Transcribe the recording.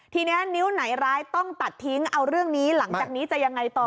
ทีนี้นิ้วไหนร้ายต้องตัดทิ้งเอาเรื่องนี้หลังจากนี้จะยังไงต่อ